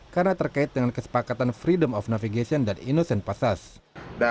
karena terkait dengan kesepakatan freedom of navigation dan innocent passage